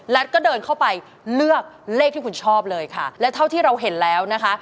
ก็เดินเข้าไปเลือกเลขที่คุณชอบเลยค่ะและเท่าที่เราเห็นแล้วนะคะ